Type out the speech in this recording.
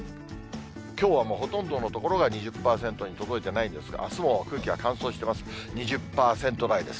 きょうはもうほとんどの所が２０％に届いてないですが、あすも空気が乾燥してます。